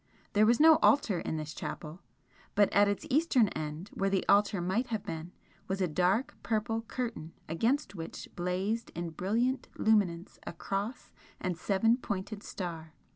There was no altar in this chapel, but at its eastern end where the altar might have been, was a dark purple curtain against which blazed in brilliant luminance a Cross and Seven pointed Star.